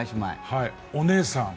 お姉さん。